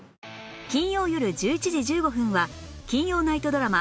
金曜よる１１時１５分は金曜ナイトドラマ